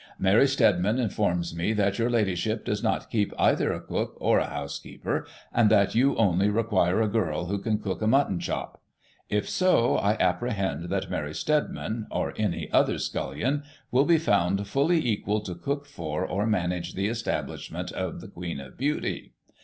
Mary Stedman informs me that your Ladyship does not keep either a cook, or a housekeeper, and that you only require a girl who can cook a mutton chop. If so, I apprehend that Mary Stedman, Digiti ized by Google no GOSSIP. [1839 or any other scullion, will be found fully equal to cook for, or manage the establishment of, the Queen of Beauty.